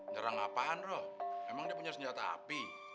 nyerang apaan loh emang dia punya senjata api